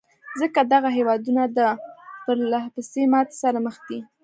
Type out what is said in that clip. ځکه دغه هېوادونه له پرلهپسې ماتې سره مخ دي.